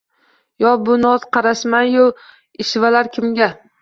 Yo bu noz-karashmayu ishvalar kimga?